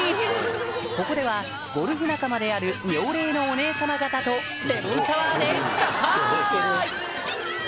ここではゴルフ仲間である妙齢なお姉さま方とレモンサワーで乾杯！